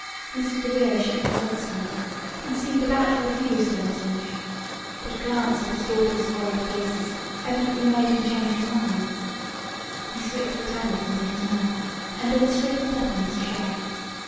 Mr. DeVere shook his head slightly, and seemed about to refuse the lozenge. But a glance at his daughters' worried faces evidently made him change his mind. He slipped the tablet into his mouth, and then straightened up in his chair.